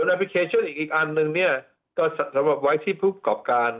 พลิเคชันอีกอีกอันนึงเนี่ยก็สำหรับไว้ที่ผู้กรอบการ